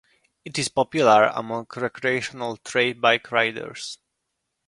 It is popular among recreational trail bike riders.